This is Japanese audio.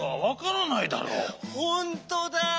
ほんとだ！